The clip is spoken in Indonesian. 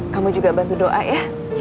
kamu juga bantu doa ya